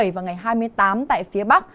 hai mươi bảy và ngày hai mươi tám tại phía bắc